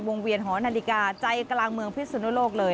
เวียนหอนาฬิกาใจกลางเมืองพิศนุโลกเลย